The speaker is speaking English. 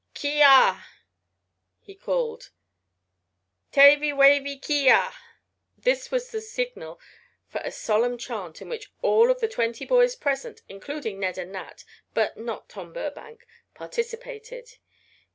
"Ki ah!" he called, "Tavy wavy Ki yah!" This was the signal for a solemn chant in which all of the twenty boys present, including Ned and Nat, but not Tom Burbank, participated.